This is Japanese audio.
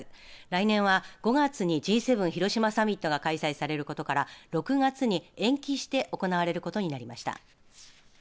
来年は、５月にＧ７広島サミットが開催されることから６月に延期して行われることになりました。